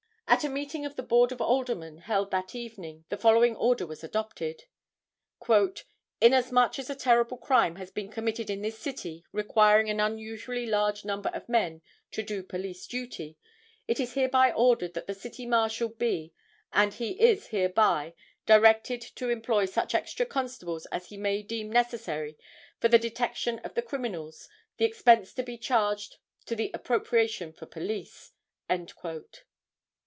At a meeting of the Board of Aldermen held that evening the following order was adopted: "Inasmuch as a terrible crime has been committed in this city requiring an unusually large number of men to do police duty, it is hereby ordered that the City Marshal be and he is hereby directed to employ such extra constables as he may deem necessary for the detection of the criminals, the expense to be charged to the appropriation for police."